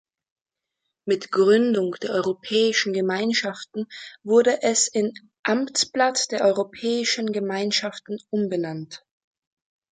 Mit Gründung der Europäischen Gemeinschaften wurde es in "Amtsblatt der Europäischen Gemeinschaften" umbenannt.